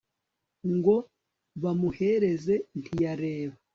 Ngo bamuhereze ntiyareba